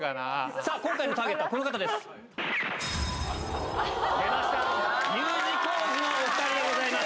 さあ、今回のターゲットはこの方です。